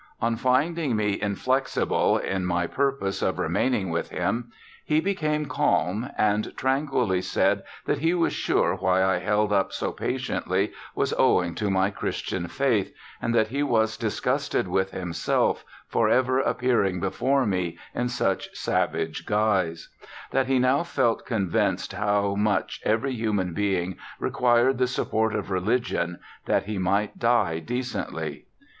On finding me inflexible in my purpose of remaining with him, he became calm, and tranquilly said that he was sure why I held up so patiently was owing to my Christian faith, and that he was disgusted with himself for ever appearing before me in such savage guise; that he now felt convinced how much every human being required the support of religion, that he might die decently.